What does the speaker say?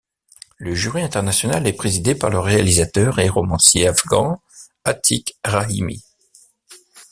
Le jury international est présidé par le réalisateur et romancier afghan Atiq Rahimi.